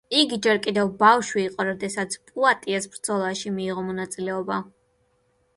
იგი ჯერ კიდევ ბავშვი იყო, როდესაც პუატიეს ბრძოლაში მიიღო მონაწილეობა.